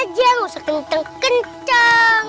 nggak usah kenceng kenceng